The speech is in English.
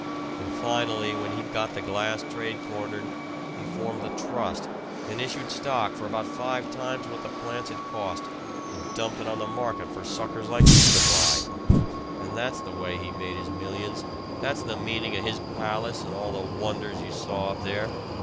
And finally, when he'd got the glass trade cornered, he formed the Trust, and issued stock for about five times what the plants had cost, and dumped it on the market for suckers like you to buy. And that's the way he made his millions that's the meaning of his palace and all the wonders you saw up there.